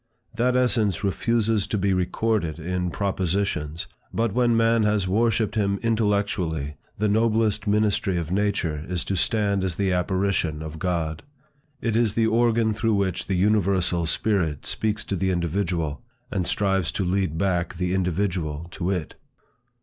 That essence refuses to be recorded in propositions, but when man has worshipped him intellectually, the noblest ministry of nature is to stand as the apparition of God. It is the organ through which the universal spirit speaks to the individual, and strives to lead back the individual to it.